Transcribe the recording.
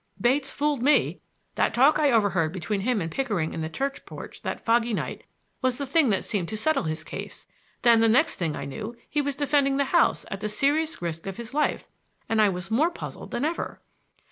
Bates fooled me. That talk I overheard between him and Pickering in the church porch that foggy night was the thing that seemed to settle his case; then the next thing I knew he was defending the house at the serious risk of his life; and I was more puzzled than ever."